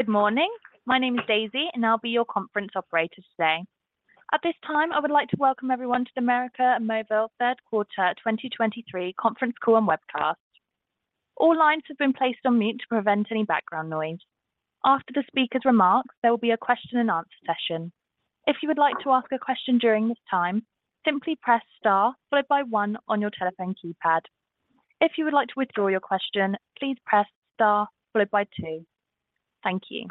Good morning. My name is Daisy, and I'll be your conference operator today. At this time, I would like to welcome everyone to the América Móvil Third Quarter 2023 Conference Call and Webcast. All lines have been placed on mute to prevent any background noise. After the speaker's remarks, there will be a question and answer session. If you would like to ask a question during this time, simply press Star followed by one on your telephone keypad. If you would like to withdraw your question, please press Star followed by two. Thank you.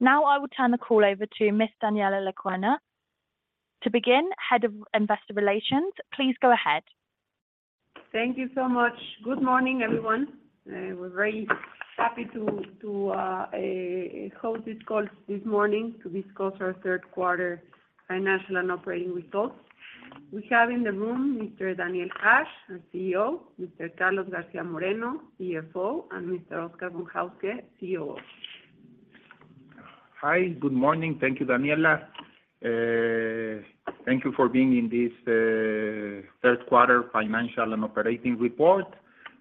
Now, I will turn the call over to Ms. Daniela Lecuona. To begin, Head of Investor Relations, please go ahead. Thank you so much. Good morning, everyone. We're very happy to host this call this morning to discuss our third quarter financial and operating results. We have in the room Mr. Daniel Hajj, our CEO, Mr. Carlos García Moreno, CFO, and Mr. Oscar Von Hauske, COO. Hi, good morning. Thank you, Daniela. Thank you for being in this third quarter financial and operating report,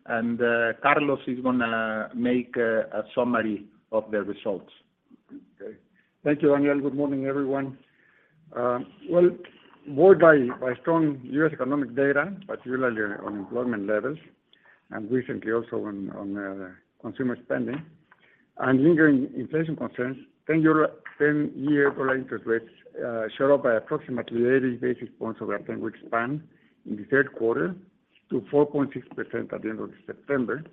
and Carlos is gonna make a summary of the results. Okay. Thank you, Daniel. Good morning, everyone. Well, buoyed by strong US economic data, particularly on employment levels and recently also on consumer spending and lingering inflation concerns, 10-year dollar interest rates shot up by approximately 80 basis points over a 10-week span in the third quarter to 4.6% at the end of September,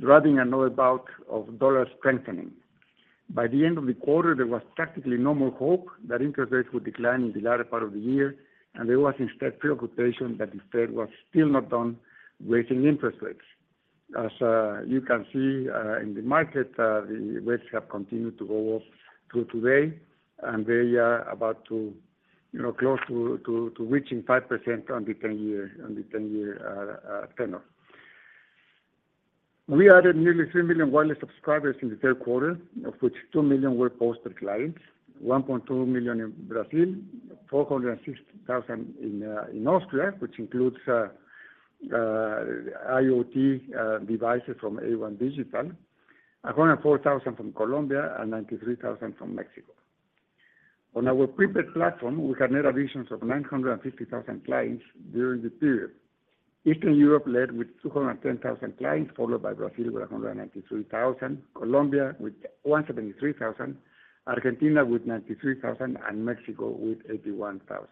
driving another bout of dollar strengthening. By the end of the quarter, there was practically no hope that interest rates would decline in the latter part of the year, and there was instead preoccupation that the Fed was still not done raising interest rates. As you can see in the market, the rates have continued to go up till today, and they are about to, you know, close to reaching 5% on the 10-year tenor. We added nearly 3 million wireless subscribers in the third quarter, of which 2 million were postpaid clients, 1.2 million in Brazil, 460,000 in Austria, which includes IoT devices from A1 Digital, 104,000 from Colombia, and 93,000 from Mexico. On our prepaid platform, we had net additions of 950,000 clients during the period. Eastern Europe led with 210,000 clients, followed by Brazil with 193,000, Colombia with 173,000, Argentina with 93,000, and Mexico with 81,000.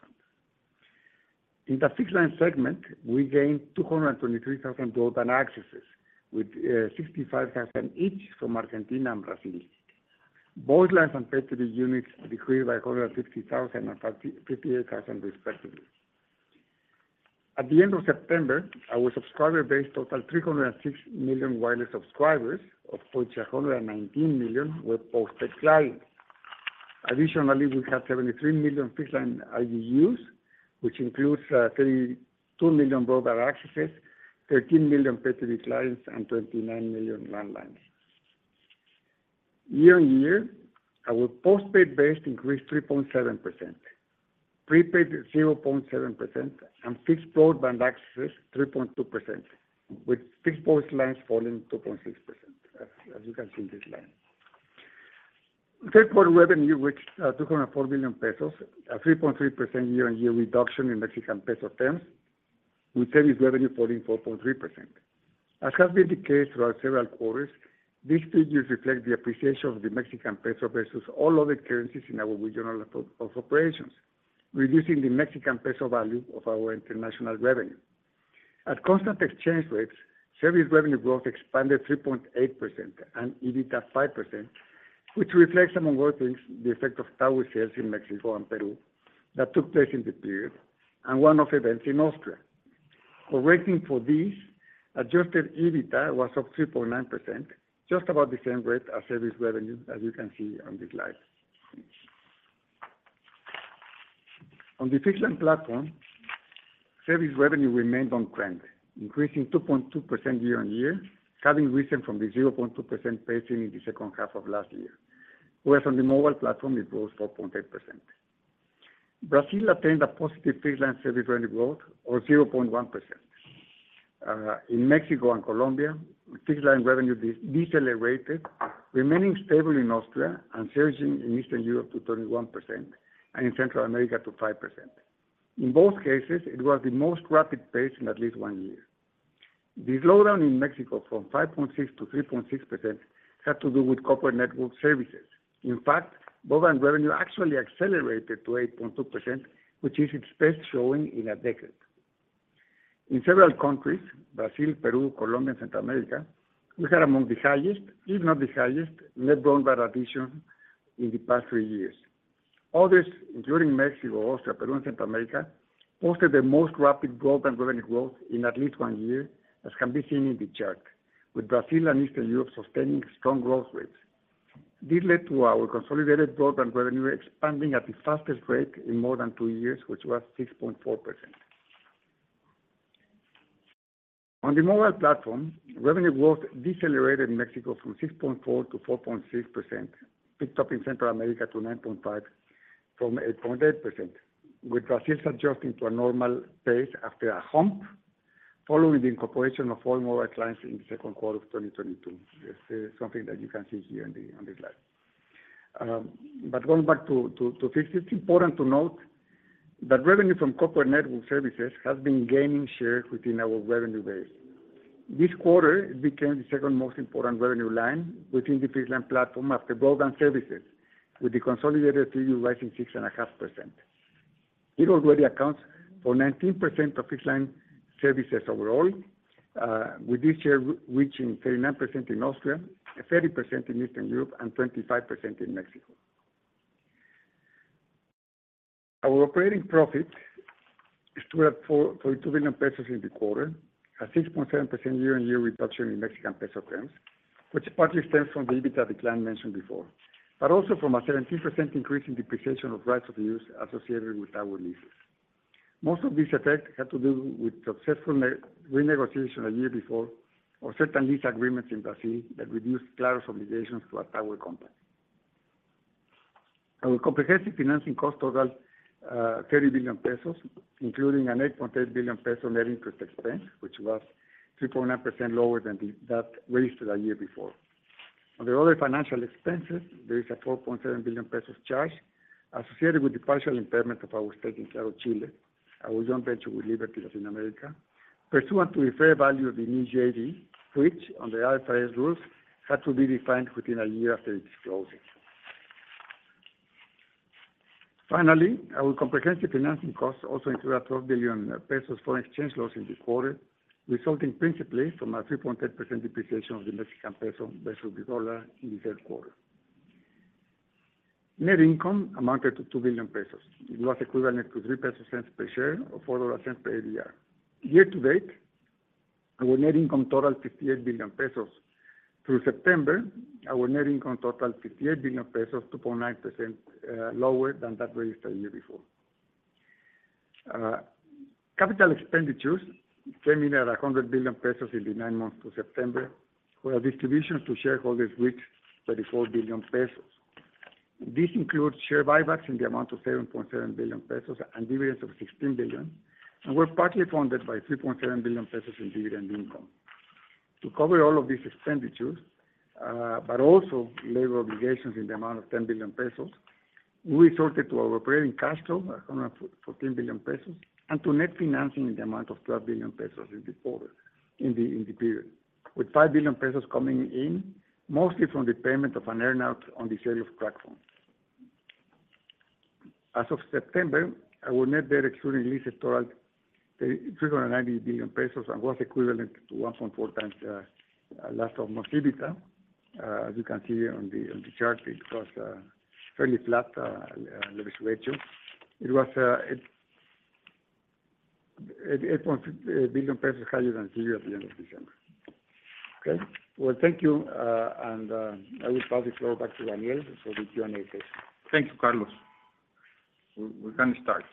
In the Fixed Line segment, we gained 223,000 broadband accesses, with 65,000 each from Argentina and Brazil. Voice lines and Pay-TV units decreased by 160,000 and 58,000, respectively. At the end of September, our subscriber base totaled 306 million wireless subscribers, of which 119 million were postpaid clients. Additionally, we have 73 million fixed line RGUs, which includes 32 million broadband accesses, 13 million Pay-TV clients, and 29 million landlines. Year-on-year, our postpaid base increased 3.7%, prepaid at 0.7%, and fixed broadband access 3.2%, with fixed voice lines falling 2.6%, as you can see in this line. Third quarter revenue, which two hundred and four billion pesos, a 3.3% year-on-year reduction in Mexican peso terms, with service revenue falling 4.3%. As has been the case throughout several quarters, these figures reflect the appreciation of the Mexican peso versus all other currencies in our regions of operations, reducing the Mexican peso value of our international revenue. At constant exchange rates, service revenue growth expanded 3.8% and EBITDA 5%, which reflects, among other things, the effect of tower sales in Mexico and Peru that took place in the period and one-off events in Austria. Correcting for these, adjusted EBITDA was up 3.9%, just about the same rate as service revenue, as you can see on this slide. On the fixed line platform, service revenue remained on trend, increasing 2.2% year-on-year, having risen from the 0.2% pacing in the second half of last year, whereas on the mobile platform, it grew 4.8%. Brazil attained a positive fixed line service revenue growth of 0.1%. In Mexico and Colombia, fixed-line revenue decelerated, remaining stable in Austria and surging in Eastern Europe to 31% and in Central America to 5%. In both cases, it was the most rapid pace in at least one year. The slowdown in Mexico from 5.6% to 3.6% had to do with corporate network services. In fact, broadband revenue actually accelerated to 8.2%, which is its best showing in a decade. In several countries, Brazil, Peru, Colombia, and Central America, we had among the highest, if not the highest, net broadband addition in the past three years. Others, including Mexico, Austria, Peru, and Central America, posted their most rapid growth and revenue growth in at least one year, as can be seen in the chart, with Brazil and Eastern Europe sustaining strong growth rates. This led to our consolidated broadband revenue expanding at the fastest rate in more than two years, which was 6.4%. On the mobile platform, revenue growth decelerated in Mexico from 6.4% to 4.6%, picked up in Central America to 9.5% from 8.8%, with Brazil adjusting to a normal pace after a hump. following the incorporation of all mobile clients in the second quarter of 2022. This is something that you can see here on the slide. But going back to fixed, it's important to note that revenue from corporate network services has been gaining share within our revenue base. This quarter, it became the second most important revenue line within the fixed line platform after broadband services, with the consolidated view rising 6.5%. It already accounts for 19% of fixed line services overall, with this year reaching 39% in Austria, 30% in Eastern Europe, and 25% in Mexico. Our operating profit stood at 4.2 billion pesos in the quarter, a 6.7% year-on-year reduction in Mexican peso terms, which partly stems from the EBITDA decline mentioned before, but also from a 17% increase in depreciation of rights of use associated with our leases. Most of this effect had to do with successful renegotiation a year before, or certain lease agreements in Brazil that reduced Claro's obligations to our tower company. Our comprehensive financing cost overall, 30 billion pesos, including an 8.8 billion peso net interest expense, which was 2.9% lower than that registered a year before. On the other financial expenses, there is a 4.7 billion pesos charge associated with the partial impairment of our stake in Claro Chile, our joint venture with Liberty Latin America. Pursuant to the fair value of the new JV, which on the IFRS rules, had to be defined within a year after its closing. Finally, our comprehensive financing costs also include a 12 billion pesos foreign exchange loss in this quarter, resulting principally from a 3.8% depreciation of the Mexican peso versus the dollar in the third quarter. Net income amounted to 2 billion pesos. It was equivalent to 0.03 per share or $0.04 per ADR. Year to date, our net income total 58 billion pesos. Through September, our net income total 58 billion pesos, 2.9% lower than that registered a year before. Capital expenditures came in at 100 billion pesos in the 9 months to September, where our distributions to shareholders reached 34 billion pesos. This includes share buybacks in the amount of 7.7 billion pesos and dividends of 16 billion, and were partly funded by 3.7 billion pesos in dividend income. To cover all of these expenditures, but also labor obligations in the amount of 10 billion pesos, we resorted to our operating cash flow, 114 billion pesos, and to net financing in the amount of 12 billion pesos in the quarter, in the period, with 5 billion pesos coming in, mostly from the payment of an earn-out on the sale of TracFone. As of September, our net debt excluding leases total 33.9 billion pesos and was equivalent to 1.4 times LTM EBITDA. As you can see on the chart, it was fairly flat ratio. It was 8 billion pesos higher than at the end of December. Okay, well, thank you. And I will probably flow back to Daniel for the Q&A session. Thank you, Carlos. We can start.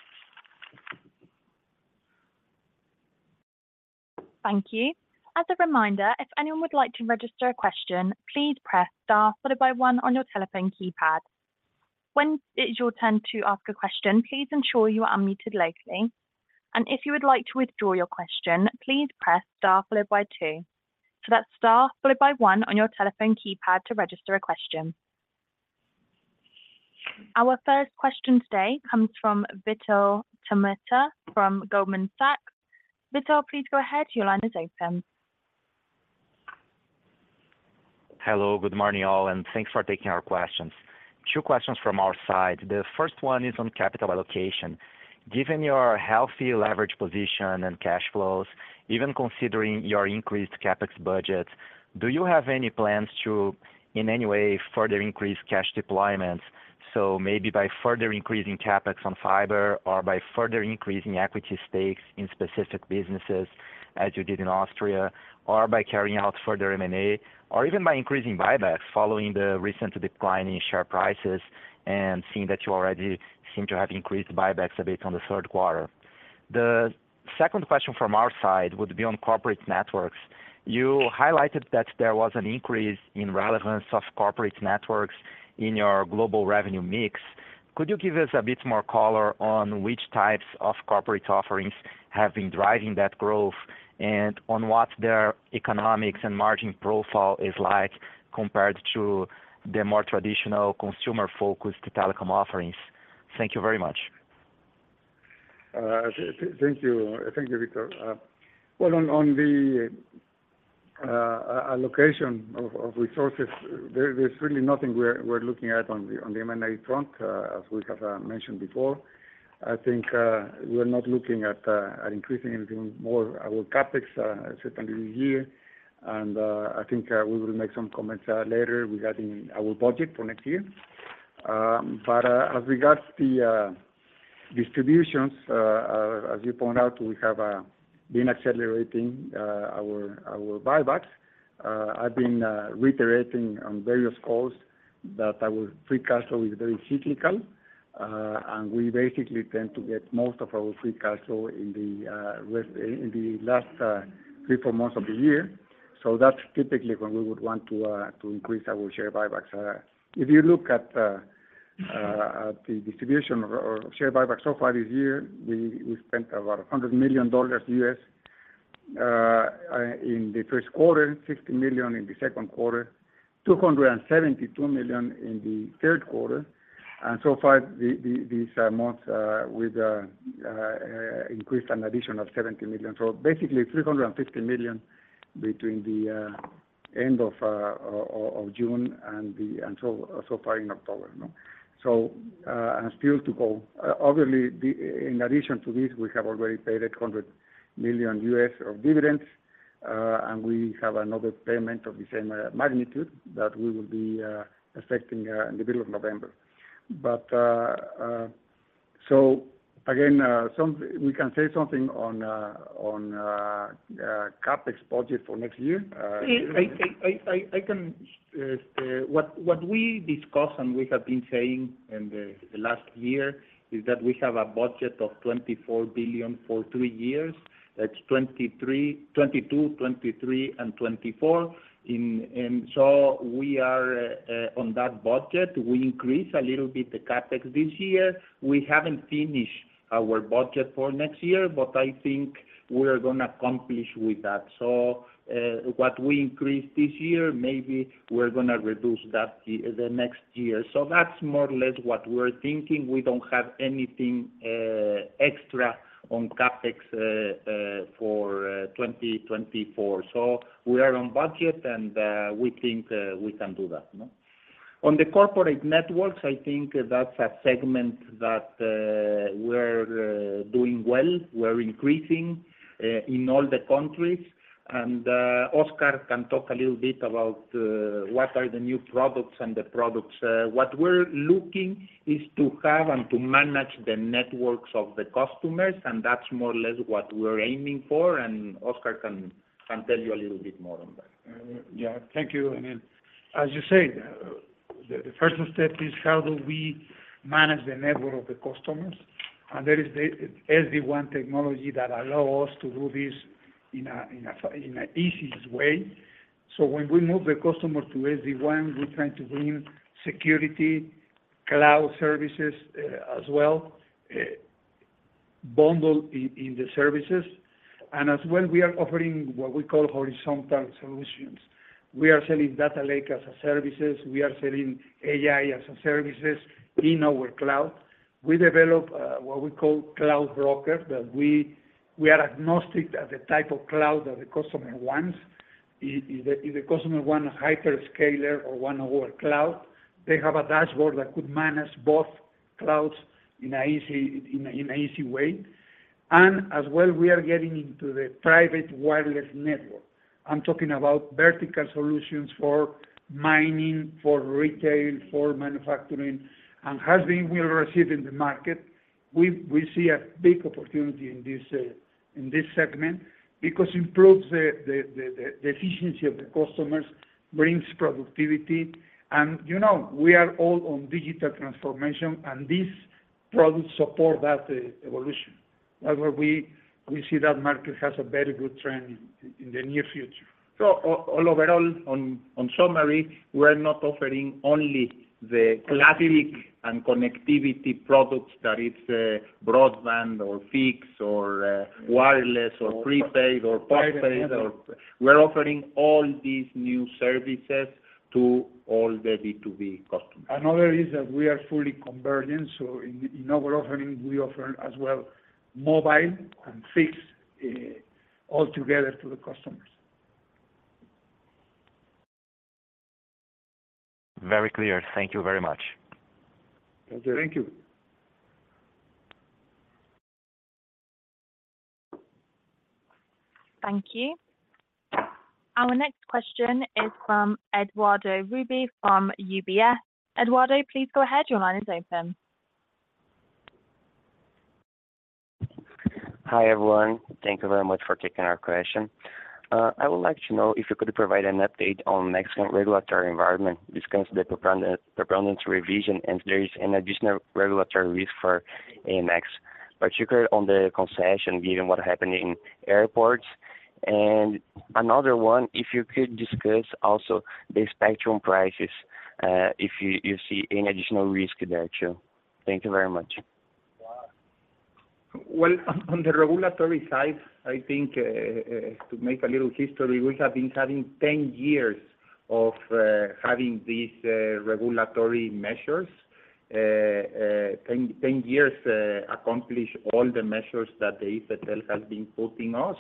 Thank you. As a reminder, if anyone would like to register a question, please press Star followed by one on your telephone keypad. When it's your turn to ask a question, please ensure you are unmuted locally, and if you would like to withdraw your question, please press Star followed by two. So that's Star followed by one on your telephone keypad to register a question. Our first question today comes from Vitor Tomita from Goldman Sachs. Vitor, please go ahead. Your line is open. Hello, good morning, all, and thanks for taking our questions. Two questions from our side. The first one is on capital allocation. Given your healthy leverage position and cash flows, even considering your increased CapEx budget, do you have any plans to, in any way, further increase cash deployments? So maybe by further increasing CapEx on fiber or by further increasing equity stakes in specific businesses, as you did in Austria, or by carrying out further M&A, or even by increasing buybacks following the recent decline in share prices and seeing that you already seem to have increased buybacks a bit on the third quarter. The second question from our side would be on corporate networks. You highlighted that there was an increase in relevance of corporate networks in your global revenue mix. Could you give us a bit more color on which types of corporate offerings have been driving that growth, and on what their economics and margin profile is like compared to the more traditional consumer-focused telecom offerings? Thank you very much. Thank you. Thank you, Vitor. Well, on the allocation of resources, there's really nothing we're looking at on the M&A front, as we have mentioned before. I think we are not looking at increasing anything more our CapEx, certainly this year. I think we will make some comments later regarding our budget for next year. But as regards to the distributions, as you point out, we have been accelerating our buybacks. I've been reiterating on various calls that our free cash flow is very cyclical, and we basically tend to get most of our free cash flow in the last 3-4 months of the year. So that's typically when we would want to increase our share buybacks. If you look at the distribution or share buyback so far this year, we spent about $100 million in the first quarter, $60 million in the second quarter, $272 million in the third quarter. And so far, these months, we've increased an additional $70 million. So basically, $350 million between the end of June and then until so far in October, no? So, and still to go. Obviously, in addition to this, we have already paid $100 million of dividends, and we have another payment of the same magnitude that we will be affecting in the middle of November. So again, we can say something on CapEx budget for next year. What we discuss and we have been saying in the last year is that we have a budget of $24 billion for three years. That's 2023, 2022, 2023, and 2024. And so we are on that budget. We increase a little bit the CapEx this year. We haven't finished our budget for next year, but I think we are gonna accomplish with that. So, what we increased this year, maybe we're gonna reduce that the next year. So that's more or less what we're thinking. We don't have anything extra on CapEx for 2024. So we are on budget, and we think we can do that, no? On the corporate networks, I think that's a segment that we're doing well. We're increasing in all the countries. Óscar can talk a little bit about what are the new products and the products. What we're looking is to have and to manage the networks of the customers, and that's more or less what we're aiming for, and Óscar can tell you a little bit more on that. Yeah. Thank you, Daniel. As you say, the first step is how do we manage the network of the customers? And there is the SD-WAN technology that allow us to do this in a easiest way. So when we move the customer to SD-WAN, we're trying to bring security, cloud services, as well, bundle in the services. And as well, we are offering what we call horizontal solutions. We are selling data lake as a services. We are selling AI as a services in our cloud. We develop what we call cloud broker, that we are agnostic at the type of cloud that the customer wants. If the customer want a hyperscaler or one our cloud, they have a dashboard that could manage both clouds in a easy way. As well, we are getting into the private wireless network. I'm talking about vertical solutions for mining, for retail, for manufacturing, and has been well received in the market. We've, we see a big opportunity in this, in this segment because improves the efficiency of the customers, brings productivity. You know, we are all on digital transformation, and these products support that evolution. That's why we see that market has a very good trend in the near future. So overall, in summary, we're not offering only the classic connectivity products; that is, broadband or fixed or wireless or prepaid or postpaid or- Right. We're offering all these new services to all the B2B customers. Another is that we are fully convergent, so in our offering, we offer as well mobile and fixed all together to the customers. Very clear. Thank you very much. Thank you. Thank you. Thank you. Our next question is from Eduardo Rebelo from UBS. Eduardo, please go ahead. Your line is open. Hi, everyone. Thank you very much for taking our question. I would like to know if you could provide an update on Mexican regulatory environment, discuss the preponderance revision, and there is an additional regulatory risk for AMX, particularly on the concession, given what happened in airports. And another one, if you could discuss also the spectrum prices, if you see any additional risk there, too. Thank you very much. Well, on the regulatory side, I think, to make a little history, we have been having 10 years of having these regulatory measures. 10, 10 years, accomplish all the measures that the IFETEL has been putting us.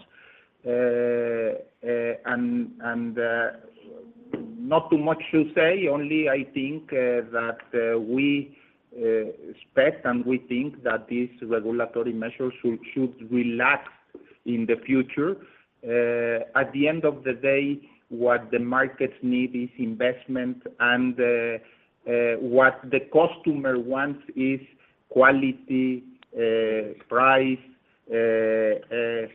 And not too much to say, only I think that we expect and we think that these regulatory measures should relax in the future. At the end of the day, what the markets need is investment, and what the customer wants is quality, price, good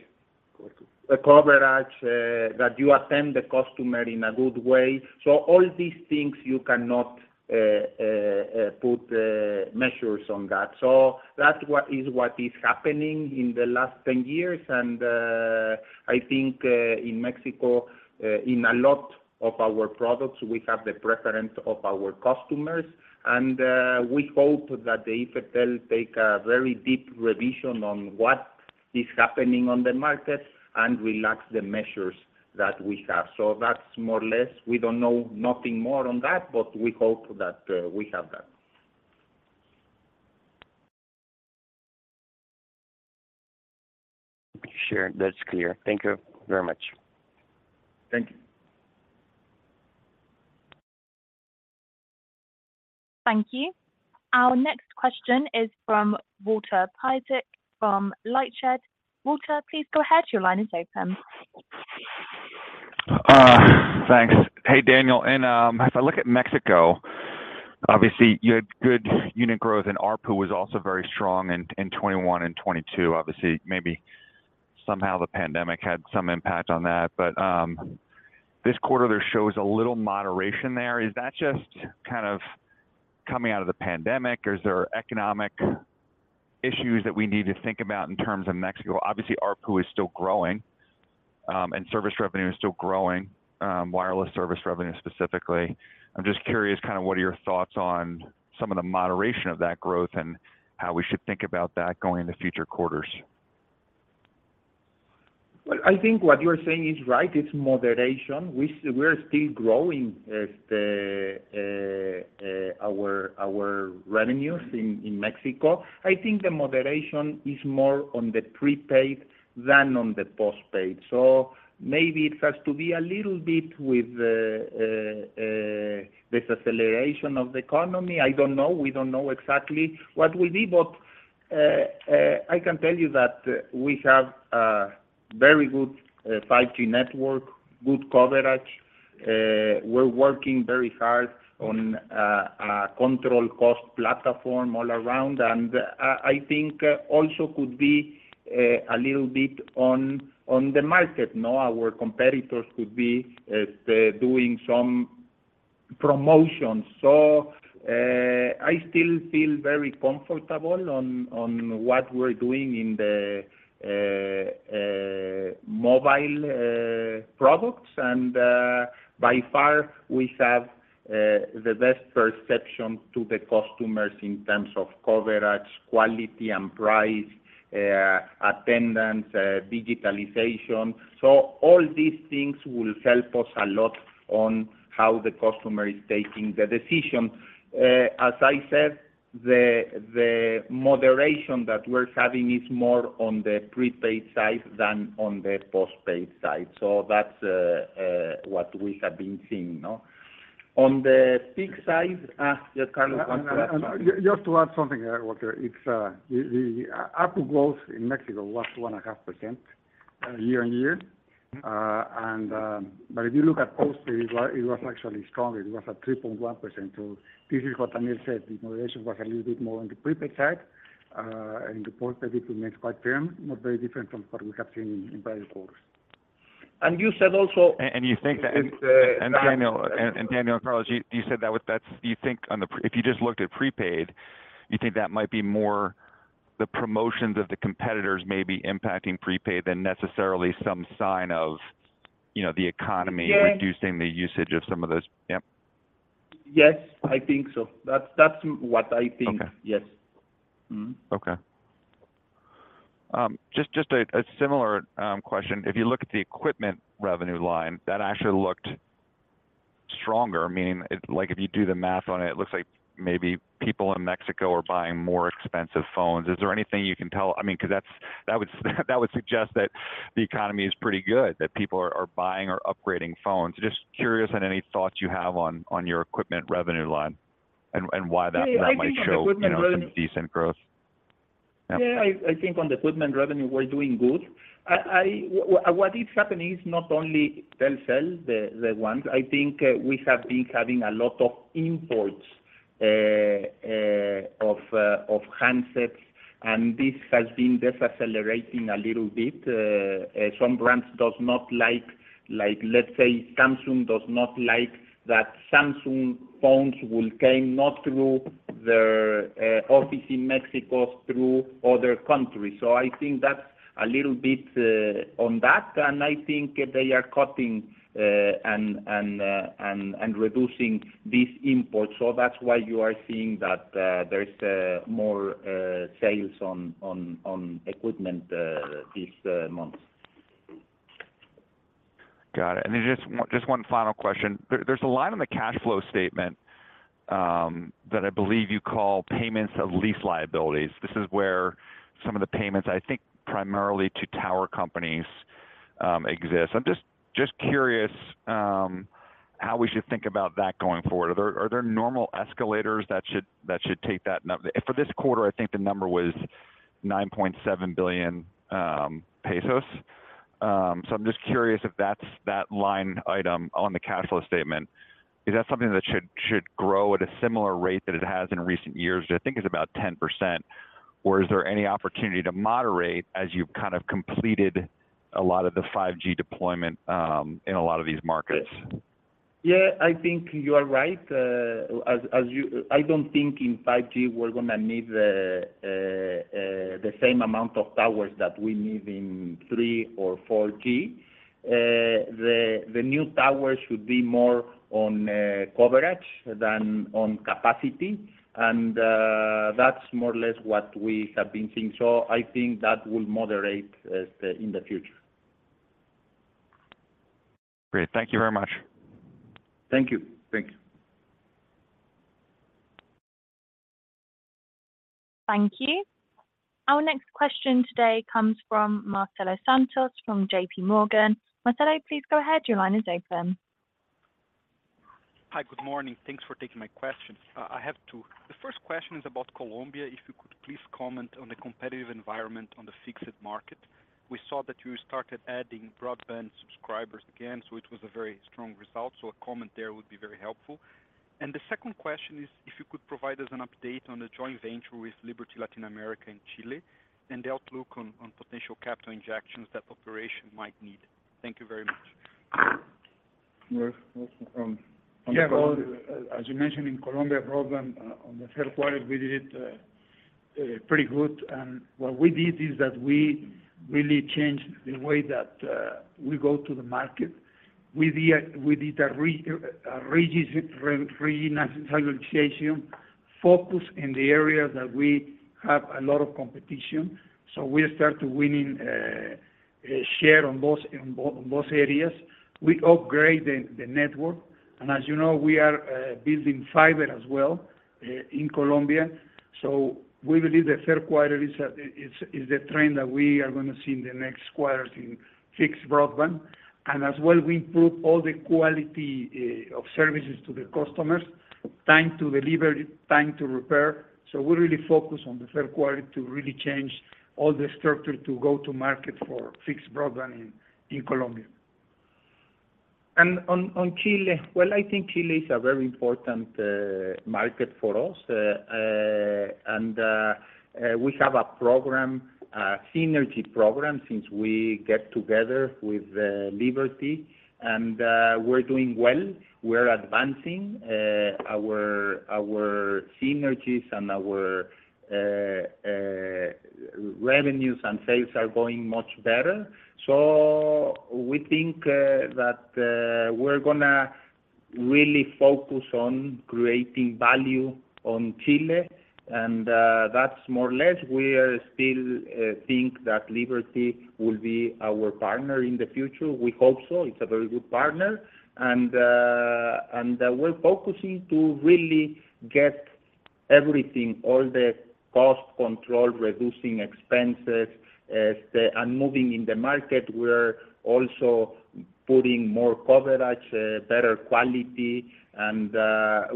coverage, that you attend the customer in a good way. So all these things, you cannot put measures on that. So that's what is happening in the last 10 years. And, I think, in Mexico, in a lot of our products, we have the preference of our customers, and, we hope that the IFETEL take a very deep revision on what is happening on the market and relax the measures that we have. So that's more or less, we don't know nothing more on that, but we hope that, we have that. Sure. That's clear. Thank you very much. Thank you. Thank you. Our next question is from Walter Piecyk from LightShed. Walter, please go ahead. Your line is open. Thanks. Hey, Daniel. And if I look at Mexico, obviously you had good unit growth, and ARPU was also very strong in 2021 and 2022. Obviously, maybe somehow the pandemic had some impact on that, but this quarter there shows a little moderation there. Is that just kind of coming out of the pandemic, or is there economic issues that we need to think about in terms of Mexico? Obviously, ARPU is still growing, and service revenue is still growing, wireless service revenue specifically. I'm just curious, kind of what are your thoughts on some of the moderation of that growth and how we should think about that going in the future quarters? Well, I think what you're saying is right. It's moderation. We're still growing our revenues in Mexico. I think the moderation is more on the prepaid than on the postpaid. So maybe it has to be a little bit with this acceleration of the economy. I don't know. We don't know exactly what we need, but I can tell you that we have a very good 5G network, good coverage. We're working very hard on a control cost platform all around. And I think also could be a little bit on the market, no? Our competitors could be doing some promotions. So I still feel very comfortable on what we're doing in the mobile products. By far, we have the best perception to the customers in terms of coverage, quality, and price, attention, digitalization. So all these things will help us a lot on how the customer is taking the decision. As I said, the moderation that we're having is more on the prepaid side than on the postpaid side. So that's what we have been seeing, no? On the prepaid side, yeah, Carlos- And just to add something there, Walter. It's the ARPU growth in Mexico was 1.5%, year-over-year. Mm-hmm. But if you look at postpaid, it was, it was actually stronger. It was at 3.1%. So this is what Daniel said, the moderation was a little bit more on the prepaid side, and the postpaid, it remains quite firm, not very different from what we have seen in previous quarters. And you said also- And you think that- And, uh- Daniel, apologies. You said that with that—you think if you just looked at prepaid, you think that might be more the promotions of the competitors may be impacting prepaid than necessarily some sign of, you know, the economy- Yes reducing the usage of some of those? Yep. Yes, I think so. That's, that's what I think. Okay. Yes. Mm-hmm. Okay. Just a similar question. If you look at the equipment revenue line, that actually looked stronger. Meaning, like, if you do the math on it, it looks like maybe people in Mexico are buying more expensive phones. Is there anything you can tell? I mean, because that's- that would suggest that the economy is pretty good, that people are buying or upgrading phones. Just curious on any thoughts you have on your equipment revenue line and why that might show- Yeah, I think on the equipment revenue- —you know, some decent growth? Yeah, I think on the equipment revenue, we're doing good. What is happening is not only Telcel, the ones, I think, we have been having a lot of imports of handsets, and this has been decelerating a little bit. Some brands does not like, like, let's say Samsung does not like that Samsung phones will come not through their office in Mexico, through other countries. So I think that's a little bit on that, and I think they are cutting and reducing these imports. So that's why you are seeing that there is more sales on equipment this month. Got it. Just one final question. There's a line on the cash flow statement that I believe you call payments of lease liabilities. This is where some of the payments, I think, primarily to tower companies, exist. I'm just curious how we should think about that going forward. Are there normal escalators that should take that. For this quarter, I think the number was 9.7 billion pesos. I'm just curious if that's that line item on the cash flow statement, is that something that should grow at a similar rate that it has in recent years? Which I think is about 10% or is there any opportunity to moderate as you've kind of completed a lot of the 5G deployment in a lot of these markets? Yeah, I think you are right. I don't think in 5G we're gonna need the same amount of towers that we need in 3G or 4G. The new towers should be more on coverage than on capacity, and that's more or less what we have been seeing. So I think that will moderate as the in the future. Great. Thank you very much. Thank you. Thanks. Thank you. Our next question today comes from Marcelo Santos, from JP Morgan. Marcelo, please go ahead. Your line is open. Hi, good morning. Thanks for taking my question. I have two. The first question is about Colombia. If you could please comment on the competitive environment on the fixed market. We saw that you started adding broadband subscribers again, so it was a very strong result, so a comment there would be very helpful. And the second question is, if you could provide us an update on the joint venture with Liberty Latin America and Chile, and the outlook on, on potential capital injections that operation might need. Thank you very much. Yes, yeah, as you mentioned, in Colombia, broadband, on the third quarter, we did pretty good. And what we did is that we really changed the way that we go to the market. We did a renegotiation focus in the areas that we have a lot of competition. So we start winning share on both areas. We upgrade the network, and as you know, we are building fiber as well in Colombia. So we believe the third quarter is the trend that we are gonna see in the next quarters in fixed broadband. And as well, we improve all the quality of services to the customers, time to deliver, time to repair. So we really focus on the third quarter to really change all the structure to go to market for fixed broadband in Colombia. And on Chile, well, I think Chile is a very important market for us. And we have a program, a synergy program, since we get together with Liberty, and we're doing well. We're advancing our synergies and our revenues and sales are going much better. So we think that we're gonna really focus on creating value on Chile, and that's more or less, we are still think that Liberty will be our partner in the future. We hope so. It's a very good partner. And we're focusing to really get everything, all the cost control, reducing expenses, and moving in the market. We're also putting more coverage, better quality, and,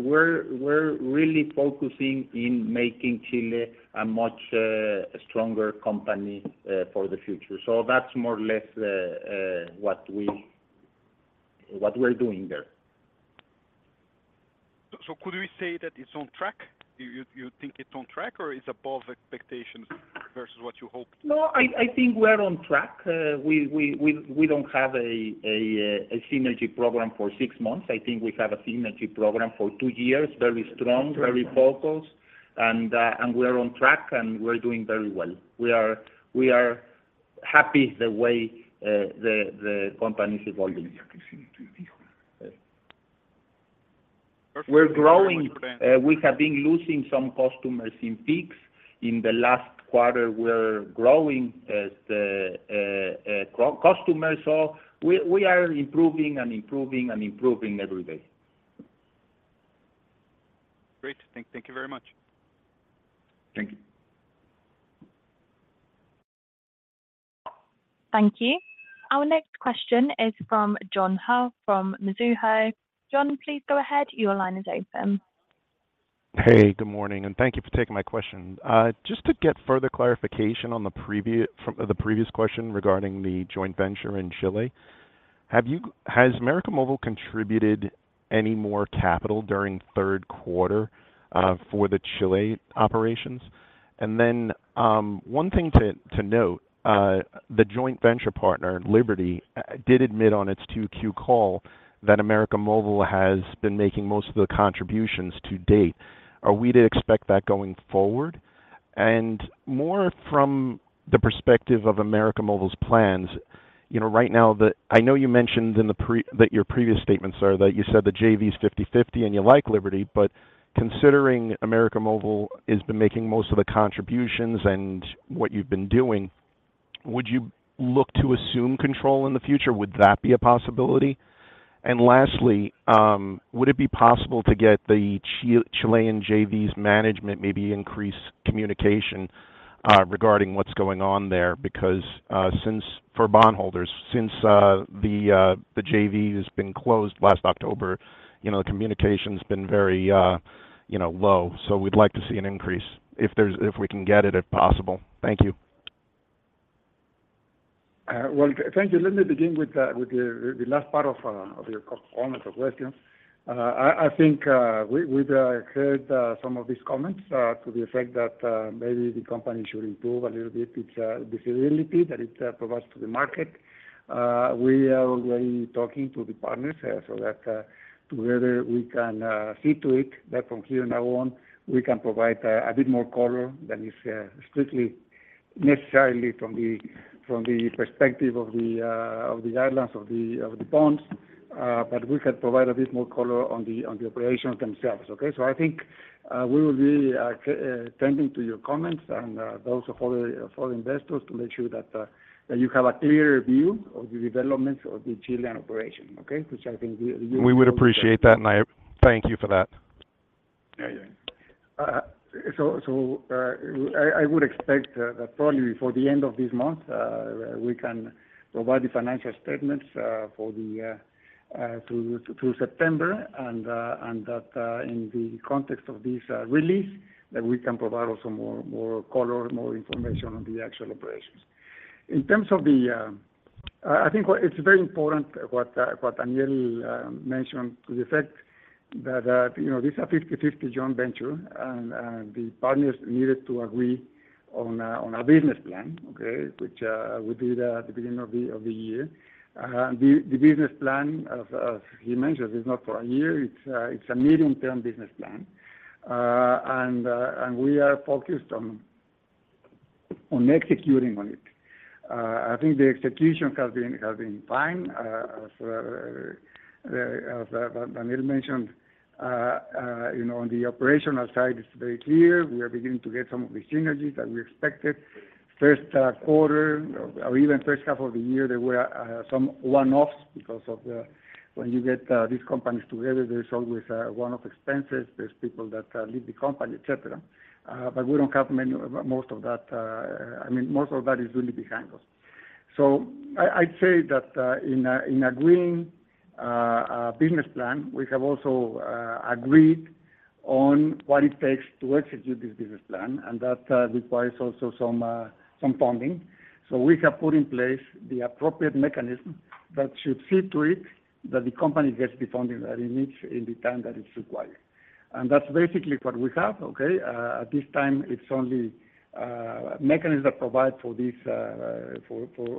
we're really focusing in making Chile a much stronger company for the future. So that's more or less what we're doing there. So, could we say that it's on track? You think it's on track or it's above expectations versus what you hoped? No, I think we're on track. We don't have a synergy program for 6 months. I think we have a synergy program for 2 years, very strong, very focused, and we're on track, and we're doing very well. We are happy the way the company is evolving. We're growing. We have been losing some customers in peaks. In the last quarter, we're growing the customers. So we are improving and improving and improving every day. Great. Thank you very much. Thank you. Thank you. Our next question is from John Ho, from Mizuho. John, please go ahead. Your line is open. Hey, good morning, and thank you for taking my question. Just to get further clarification from the previous question regarding the joint venture in Chile, has América Móvil contributed any more capital during third quarter for the Chile operations? And then, one thing to note, the joint venture partner, Liberty, did admit on its 2Q call that América Móvil has been making most of the contributions to date. Are we to expect that going forward? And more from the perspective of América Móvil's plans, you know, right now the I know you mentioned in that your previous statements, sir, that you said the JV is 50/50, and you like Liberty, but considering América Móvil has been making most of the contributions and what you've been doing, would you look to assume control in the future? Would that be a possibility? And lastly, would it be possible to get the Chilean JV's management, maybe increase communication regarding what's going on there? Because, since for bondholders, since the JV has been closed last October, you know, communication's been very, you know, low, so we'd like to see an increase if we can get it, if possible. Thank you. Well, thank you. Let me begin with the last part of your comment or question. I think we have heard some of these comments to the effect that maybe the company should improve a little bit its visibility that it provides to the market. We are already talking to the partners so that together we can see to it that from here on we can provide a bit more color than is strictly necessary from the perspective of the guidelines of the bonds. But we can provide a bit more color on the operations themselves, okay? So I think we will be tending to your comments and those of other investors to make sure that you have a clearer view of the developments of the Chilean operation, okay? Which I think we- We would appreciate that, and I thank you for that. Yeah. Yeah. So, I would expect that probably before the end of this month, we can provide the financial statements for the through September. And that, in the context of this release, that we can provide also more color, more information on the actual operations. In terms of the... I think what it's very important, what Daniel mentioned to the effect that, you know, this is a 50/50 joint venture, and the partners needed to agree on a business plan, okay? Which we did at the beginning of the year. The business plan, as he mentioned, is not for a year, it's a medium-term business plan. And we are focused on executing on it. I think the execution has been fine. As Daniel mentioned, you know, on the operational side, it's very clear. We are beginning to get some of the synergies that we expected. First quarter, or even first half of the year, there were some one-offs because of when you get these companies together, there's always one-off expenses. There's people that leave the company, et cetera. But we don't have many, most of that... I mean, most of that is really behind us. So I'd say that in agreeing a business plan, we have also agreed on what it takes to execute this business plan, and that requires also some funding. So we have put in place the appropriate mechanism that should see to it that the company gets the funding that it needs in the time that it's required. That's basically what we have, okay? At this time, it's only mechanism provide for this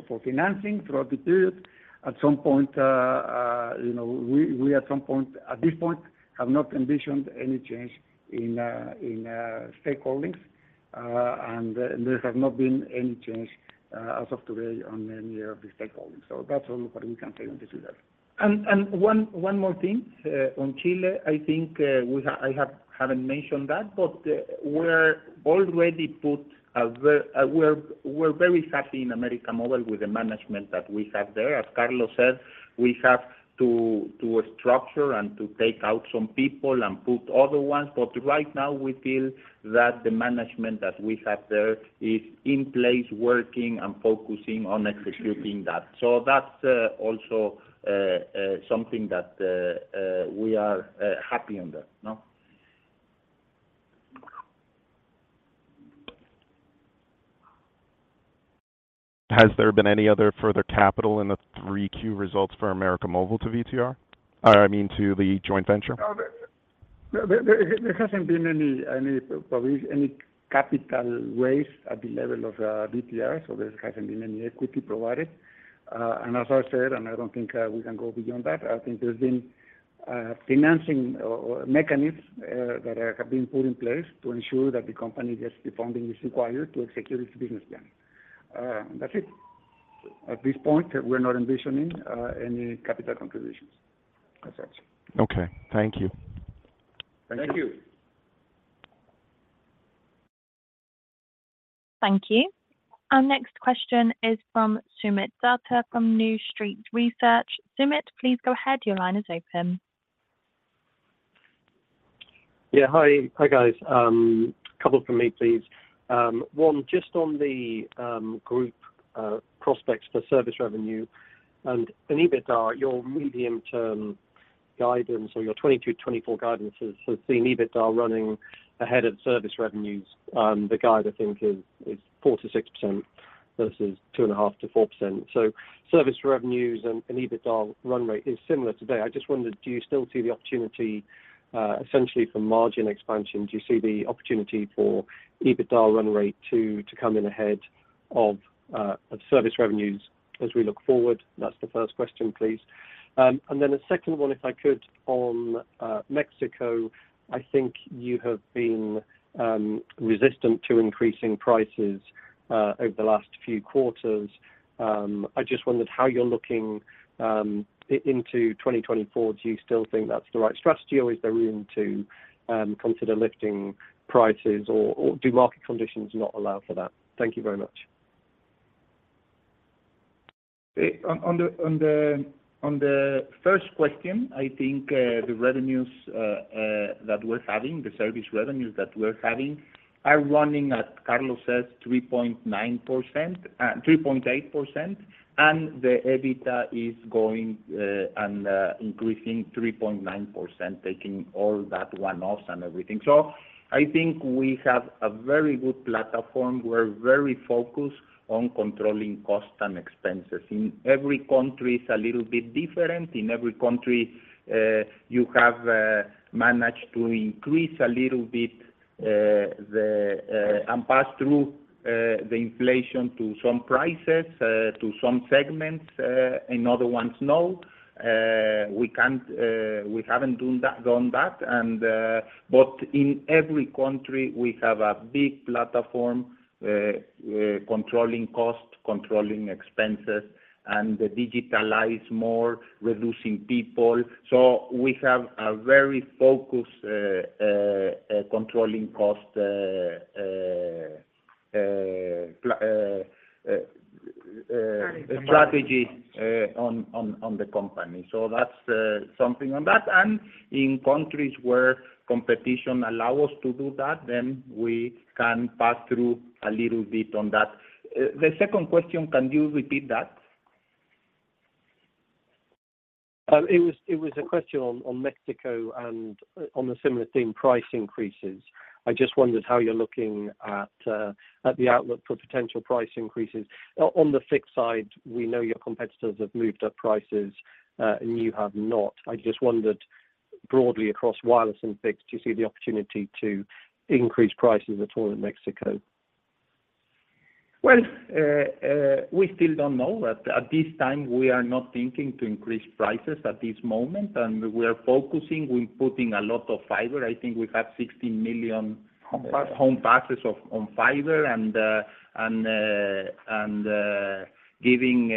financing throughout the period. At some point, you know, at this point, have not envisioned any change in stakeholdings, and there have not been any change as of today on any of the stakeholdings. So that's all what we can say on this matter. One more thing on Chile. I think we have—I haven't mentioned that, but we're very happy in América Móvil with the management that we have there. As Carlos said, we have to structure and take out some people and put other ones, but right now we feel that the management that we have there is in place, working and focusing on executing that. So that's also something that we are happy on that, no? Has there been any other further capital in the 3Q results for América Móvil to VTR? I mean, to the joint venture? No, there hasn't been any capital raise at the level of VTR, so there hasn't been any equity provided. And as I said, and I don't think we can go beyond that, I think there's been financing or mechanisms that have been put in place to ensure that the company gets the funding it's required to execute its business plan. That's it. At this point, we're not envisioning any capital contributions. That's that. Okay. Thank you. Thank you. Thank you. Thank you. Our next question is from Soomit Datta, from New Street Research. Soomit, please go ahead. Your line is open. Yeah. Hi. Hi, guys, a couple from me, please. One, just on the group prospects for service revenue and in EBITDA, your medium-term guidance or your 2022, 2024 guidance has seen EBITDA running ahead of service revenues. The guide, I think, is 4%-6% versus 2.5%-4%. So service revenues and EBITDA run rate is similar today. I just wondered, do you still see the opportunity essentially for margin expansion? Do you see the opportunity for EBITDA run rate to come in ahead of service revenues as we look forward? That's the first question, please. And then the second one, if I could, on Mexico. I think you have been resistant to increasing prices over the last few quarters. I just wondered how you're looking into 2024. Do you still think that's the right strategy, or is there room to consider lifting prices, or do market conditions not allow for that? Thank you very much. On the first question, I think, the revenues that we're having, the service revenues that we're having, are running, as Carlos says, 3.9%, 3.8%, and the EBITDA is going and increasing 3.9%, taking all that one-offs and everything. So I think we have a very good platform. We're very focused on controlling costs and expenses. In every country, it's a little bit different. In every country, you have managed to increase a little bit and pass through the inflation to some prices to some segments, and other ones, no. We can't, we haven't done that, done that. But in every country, we have a big platform controlling costs, controlling expenses, and digitalize more, reducing people. We have a very focused controlling cost strategy on the company. So that's something on that. In countries where competition allow us to do that, then we can pass through a little bit on that. The second question, can you repeat that? It was a question on Mexico and on a similar theme, price increases. I just wondered how you're looking at the outlook for potential price increases. On the fixed side, we know your competitors have moved up prices, and you have not. I just wondered, broadly across wireless and fixed, do you see the opportunity to increase prices at all in Mexico? Well, we still don't know. At this time, we are not thinking to increase prices at this moment, and we are focusing. We're putting a lot of fiber. I think we have 16 million home passes on fiber and giving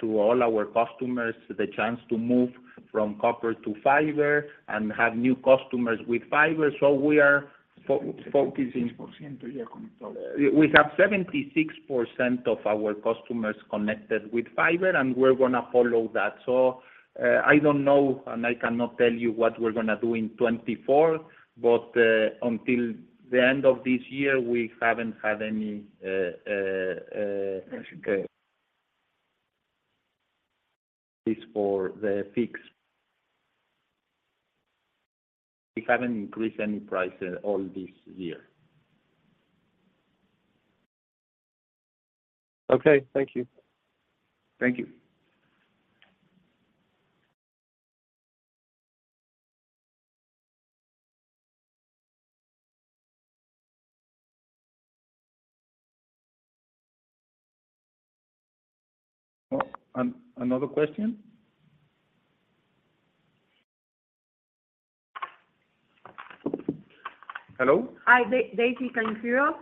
to all our customers the chance to move from copper to fiber and have new customers with fiber. So we are focusing. 76%, yeah. We have 76% of our customers connected with fiber, and we're gonna follow that. So, I don't know, and I cannot tell you what we're gonna do in 2024, but, until the end of this year, we haven't had any. Okay. At least for the fixed. We haven't increased any prices all this year. Okay, thank you. Thank you. Another question? Hello? Hi, Daisy, can you hear us?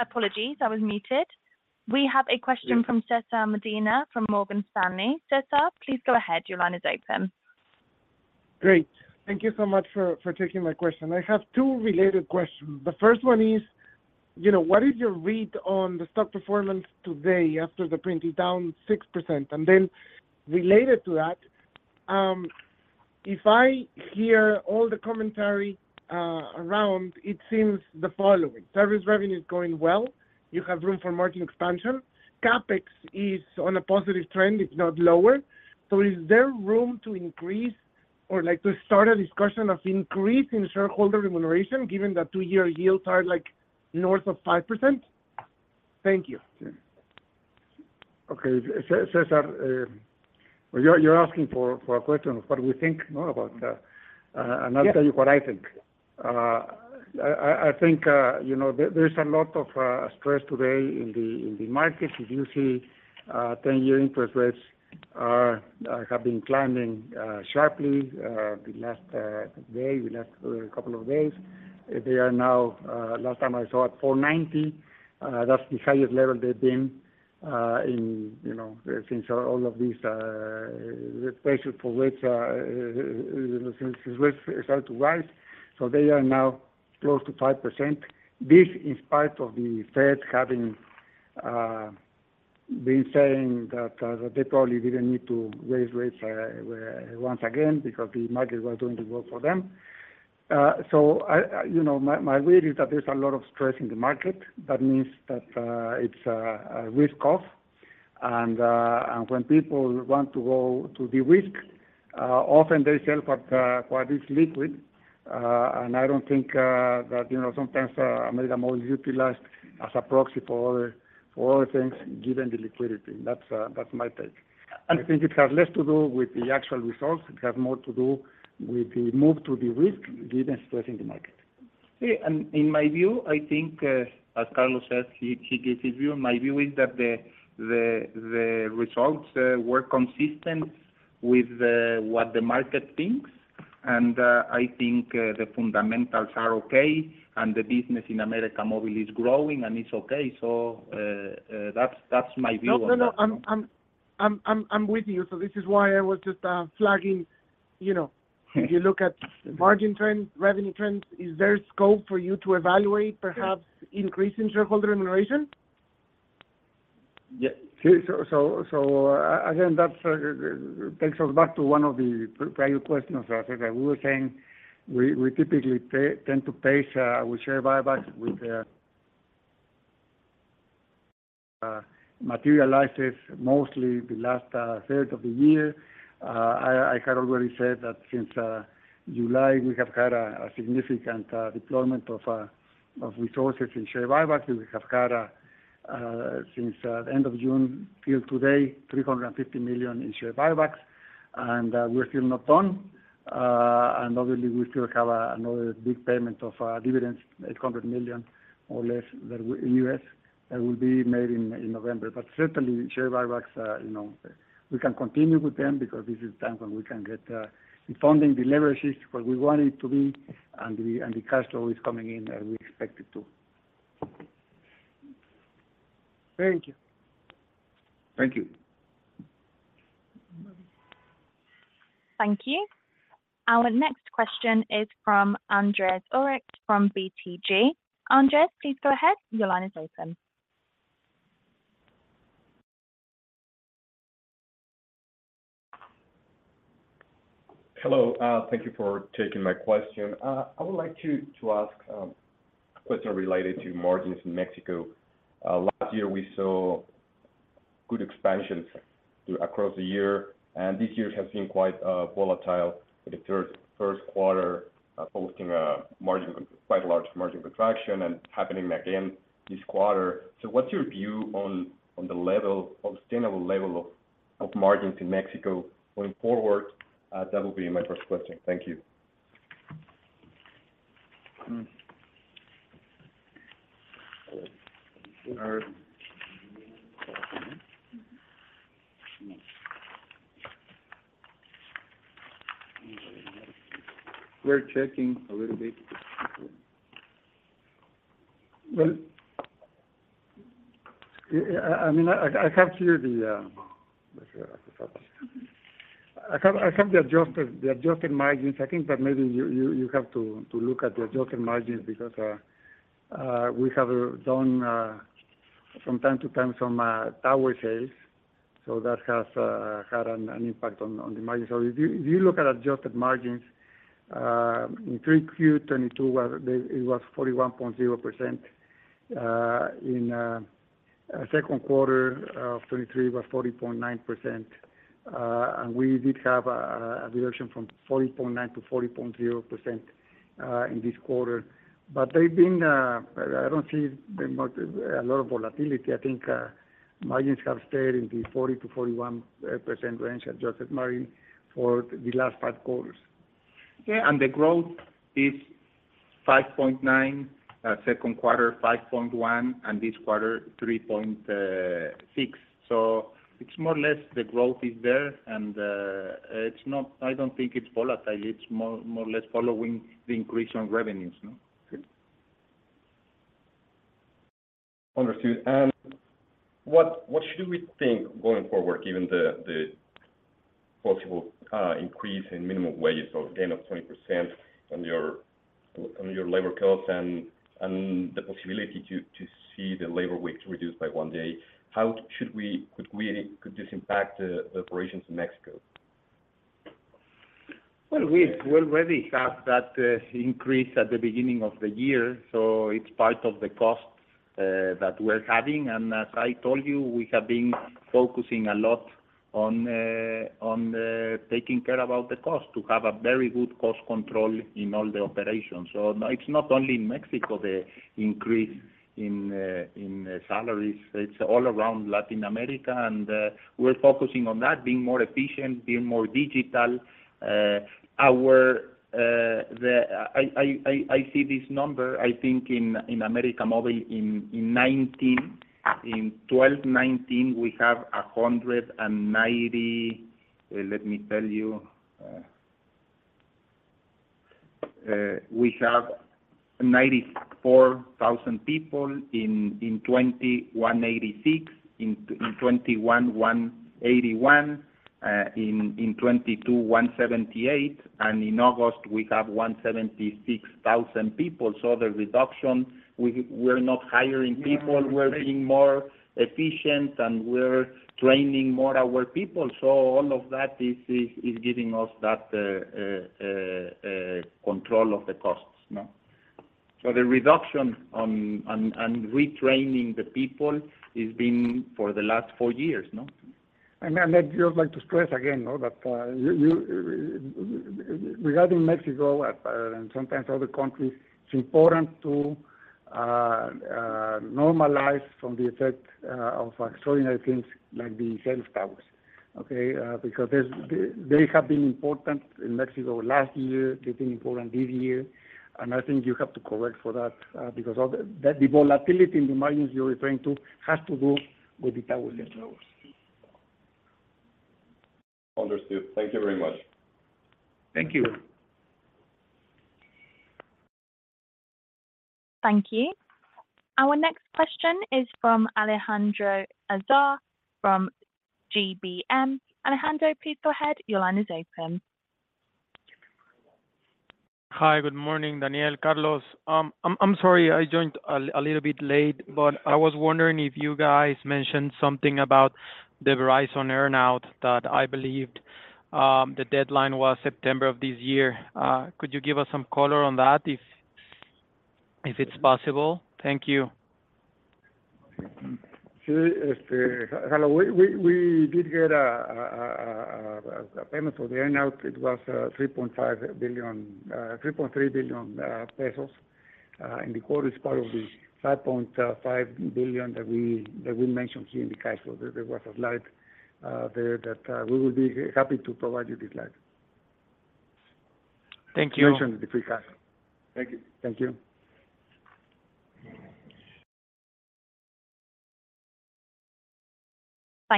Apologies, I was muted. We have a question from César Medina from Morgan Stanley. César, please go ahead. Your line is open. Great. Thank you so much for taking my question. I have two related questions. The first one is, you know, what is your read on the stock performance today after the printing, down 6%? And then related to that, if I hear all the commentary around, it seems the following: service revenue is going well, you have room for margin expansion, CapEx is on a positive trend, it's not lower. So is there room to increase or like to start a discussion of increasing shareholder remuneration, given that two-year yields are like north of 5%? Thank you. Okay, César, well, you're asking for a question of what we think about. Yes. I'll tell you what I think. I think, you know, there's a lot of stress today in the market. As you see, 10-year interest rates have been climbing sharply the last day, the last couple of days. They are now, last time I saw, at 4.90, that's the highest level they've been in, you know, since all of these rates for which since rates started to rise. So they are now close to 5%. This, in spite of the Fed having been saying that they probably didn't need to raise rates once again, because the market was doing the work for them. So, you know, my read is that there's a lot of stress in the market. That means that it's a risk off, and when people want to go to the risk, often they sell but what is liquid. And I don't think that, you know, sometimes maybe they're more utilized as a proxy for other things, given the liquidity. That's my take. I think it has less to do with the actual results. It has more to do with the move to the risk, given stress in the market. Yeah, and in my view, I think, as Carlos says, he gives his view. My view is that the results were consistent with what the market thinks, and I think the fundamentals are okay, and the business in América Móvil is growing and it's okay. So, that's my view on that. No, no, no, I'm—I'm with you. So this is why I was just flagging, you know. If you look at margin trends, revenue trends, is there scope for you to evaluate, perhaps increase in shareholder remuneration? Yeah. So again, that takes us back to one of the prior questions that we were saying. We typically tend to pace with share buybacks with materializes mostly the last third of the year. I had already said that since July, we have had a significant deployment of resources in share buybacks. We have had since end of June till today, $350 million in share buybacks, and we're still not done. And obviously, we still have another big payment of dividends, $800 million or less than we—in U.S., that will be made in November. But certainly, share buybacks, you know, we can continue with them because this is the time when we can get the funding leverages where we want it to be, and the cash flow is coming in as we expect it to. Thank you. Thank you. Thank you. Our next question is from Andrés Ortiz, from BTG. Andrés, please go ahead. Your line is open. Hello, thank you for taking my question. I would like to ask question related to margins in Mexico. Last year, we saw good expansion throughout the year, and this year has been quite volatile, with the first quarter posting a margin, quite a large margin contraction and happening again this quarter. So what's your view on the sustainable level of margins in Mexico going forward? That will be my first question. Thank you. We're checking a little bit. Well, yeah, I mean, I have here the adjusted margins. I think that maybe you have to look at the adjusted margins because we have done from time to time some tower sales. So that has had an impact on the margin. So if you look at adjusted margins in 3Q22, where it was 41.0%. In the second quarter of 2023, it was 40.9%. And we did have a reduction from 40.9% to 40.0% in this quarter. But they've been, I don't see much volatility. I think, margins have stayed in the 40%-41% range, adjusted margin, for the last 5 quarters. Yeah, and the growth is 5.9, second quarter, 5.1, and this quarter, 3.6. So it's more or less, the growth is there, and, it's not - I don't think it's volatile. It's more, more or less following the increase on revenues, no? Understood. And what, what should we think going forward, given the, the possible increase in minimum wage or gain of 20% on your, on your labor costs and, and the possibility to, to see the labor week reduced by one day? How should we, could we, could this impact the, the operations in Mexico? Well, we already have that increase at the beginning of the year, so it's part of the cost that we're having. As I told you, we have been focusing a lot on taking care about the cost to have a very good cost control in all the operations. It's not only in Mexico, the increase in salaries, it's all around Latin America, and we're focusing on that, being more efficient, being more digital. I see this number, I think in América Móvil, in 2019, we have 190,000 Let me tell you. We have 94,000 people in 2020, 186,000 in 2021, 181,000 in 2022, and in August, we have 176,000 people. So the reduction, we're not hiring people, we're being more efficient, and we're training more our people. So all of that is giving us that control of the costs, no? So the reduction on retraining the people has been for the last four years, no? I'd just like to stress again, though, that regarding Mexico and sometimes other countries, it's important to normalize from the effect of extraordinary things like the tower sales. Okay, because they have been important in Mexico last year, they've been important this year, and I think you have to correct for that, because the volatility in the margins you're referring to has to do with the tower sales. Understood. Thank you very much. Thank you. Thank you. Our next question is from Alejandro Azar, from GBM. Alejandro, please go ahead. Your line is open. Hi, good morning, Daniel, Carlos. I'm sorry I joined a little bit late, but I was wondering if you guys mentioned something about the Verizon earn-out that I believed the deadline was September of this year. Could you give us some color on that, if it's possible? Thank you. Sure, hello. We did get a payment for the earn-out. It was 3.5 billion, 3.3 billion pesos. In the quarter is part of the 5.5 billion that we mentioned here in the case. So there was a slide there that we will be happy to provide you this slide. Thank you. Mention in the free cash flow. Thank you. Thank you.